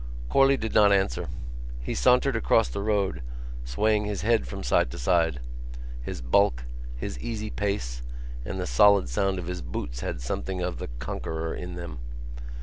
Corley did not answer. He sauntered across the road swaying his head from side to side. His bulk, his easy pace, and the solid sound of his boots had something of the conqueror in them.